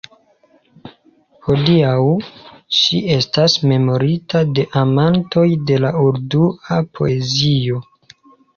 Hodiaŭ ŝi estas memorita de amantoj de la urdua poezio.